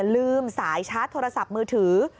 ลืมสายชาร์จโทรศัพท์มือถือ